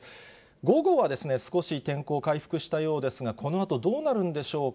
午後は、少し天候回復したようですが、このあとどうなるんでしょうか。